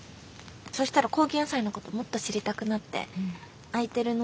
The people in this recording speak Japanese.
そしたら高原野菜のこともっと知りたくなって空いてる農地で育ててみて。